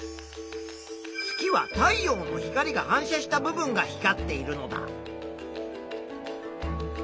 月は太陽の光が反射した部分が光っているのだ。